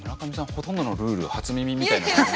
ほとんどのルール初耳みたいな感じ。